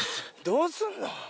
どうすんの。